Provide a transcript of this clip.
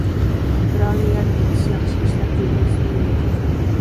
بىراۋنى ياد ئېتىش ياخشى ئىشلار جۈملىسىدىندۇر.